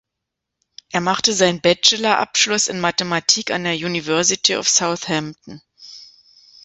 Er machte seinen Bachelor-Abschluss in Mathematik an der University of Southampton.